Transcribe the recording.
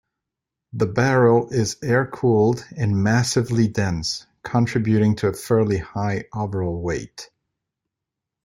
The barrel is air-cooled and massively dense, contributing to a fairly high overall weight.